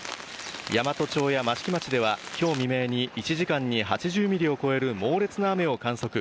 山都町や益城町ではきょう未明に１時間に８０ミリを超える猛烈な雨を観測。